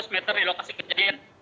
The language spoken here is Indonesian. lima ratus meter di lokasi kejadian